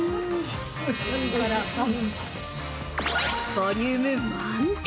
ボリューム満点！